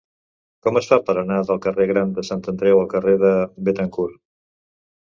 Com es fa per anar del carrer Gran de Sant Andreu al carrer de Béthencourt?